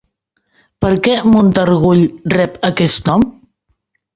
Per què Montargull rep aquest nom?